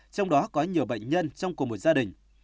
trong đó có nhiều bệnh nhân trong cùng một gia đình